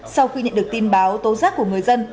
sau khi nhận được tin báo tố giác của người dân